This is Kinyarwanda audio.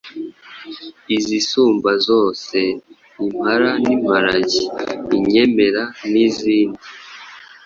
izisumba zose, impara n’imparage, inyemera n’izindi.